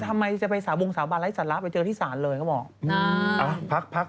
ทำไมจะไปบรงสาวบาลไร้ศาลละไปเจอกันที่ศาลเลยเขาบอก